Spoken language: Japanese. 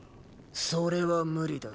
それは無理だ。